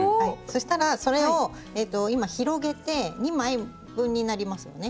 そしたらそれを今広げて２枚分になりますよね。